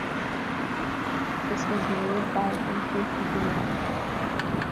This was mirrored by an increase in female employment.